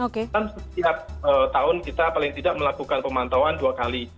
setiap tahun kita paling tidak melakukan pemantauan dua kali